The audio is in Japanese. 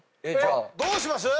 どうします？